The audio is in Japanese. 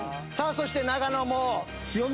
そして長野も。